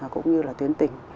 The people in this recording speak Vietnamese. cũng như là tuyến tỉnh